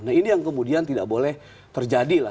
nah ini yang kemudian tidak boleh terjadi lah